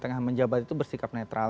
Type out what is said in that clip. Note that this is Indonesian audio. tengah menjabat itu bersikap netral